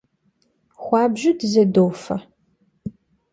Xuabju dızedof'e.